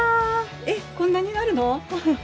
えっこんなになるの！？